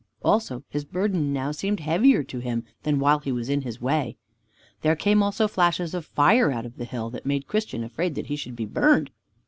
Also his burden now seemed heavier to him than while he was in his way. There came also flashes of fire out of the hill, that made Christian afraid that he should be burned.